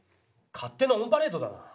勝手のオンパレードだな！